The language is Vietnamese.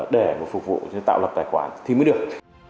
để phục vụ cho tạo lập tài khoản thì mới được